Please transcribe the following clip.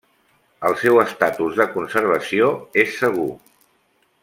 El seu estatus de conservació és segur.